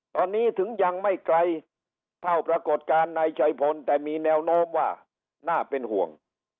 ตอนนี้ถึงยังไม่ไกลเท่าปรากฏการณ์นายชัยพลแต่มีแนวโน้มว่าน่าเป็นห่วง